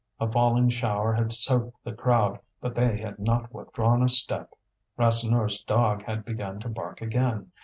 A falling shower had soaked the crowd, but they had not withdrawn a step. Rasseneur's dog had begun to bark again.